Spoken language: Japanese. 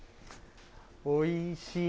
おいしい。